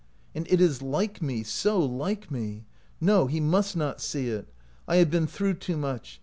"And it is like me, so like me! No, he must not see it! I have been through too much.